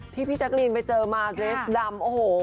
พี่แจ๊กรีนไปเจอมาร์เกรสดำโอ้โห